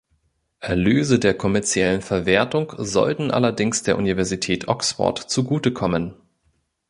Erlöse der kommerziellen Verwertung sollten allerdings der Universität Oxford zugutekommen.